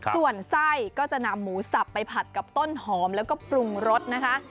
ส่วนไส้ก็จะนำหมูสับไปผัดกับต้นหอมแล้วก็ปรุงรสนะคะ